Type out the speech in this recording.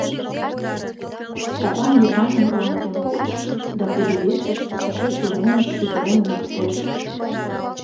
Стапан Йываным руалтен кучыш да кудывечыш, тушеч уремыш шӱдырен луктеш.